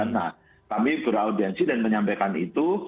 nah kami beraudiensi dan menyampaikan itu